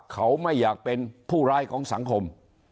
เขาไม่อยากเป็นผู้ร้ายของสังคม